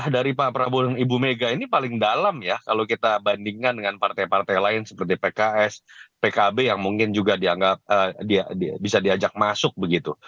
dari pak prabowo dan ibu mega ini paling dalam ya kalau kita bandingkan dengan partai partai lain seperti pks pkb yang mungkin juga dianggap bisa diajak masuk begitu